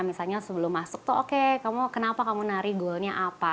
misalnya sebelum masuk tuh oke kamu kenapa kamu nari goalnya apa